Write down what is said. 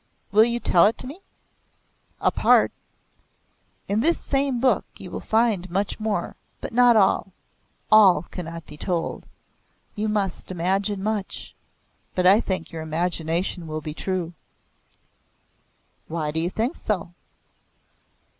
"Will you tell it to me?" "A part. In this same book you will find much more, but not all. All cannot be told. You must imagine much. But I think your imagination will be true." "Why do you think so?"